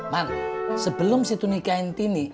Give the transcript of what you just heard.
man sebelum si tunika inti nih